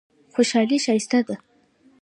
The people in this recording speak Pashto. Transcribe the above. خوشحالي ښایسته دی.